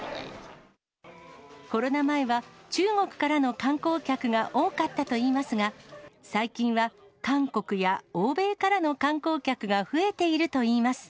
コロナ前は中国からの観光客が多かったといいますが、最近は韓国や欧米からの観光客が増えているといいます。